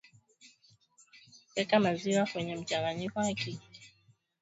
weka maziwa kwenye mchanganyiko wa keki